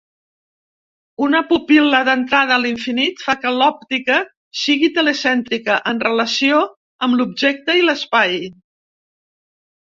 Una pupil·la d'entrada a l'infinit fa que l'òptica sigui telecèntrica en relació amb l'objecte i l'espai.